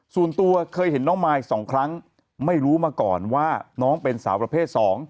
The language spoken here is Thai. ส่วนตัวเคยเห็นน้องมาย๒ครั้งไม่รู้มาก่อนว่าน้องเป็นสาวประเภท๒